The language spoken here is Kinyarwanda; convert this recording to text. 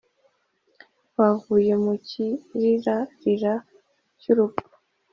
Bavuye mu kirirarira cy’urupfu,